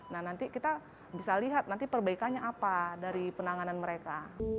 nah nanti kita bisa lihat nanti perbaikannya apa dari penanganan mereka